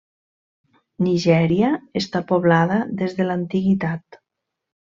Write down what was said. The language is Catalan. Nigèria està poblada des de l'antiguitat.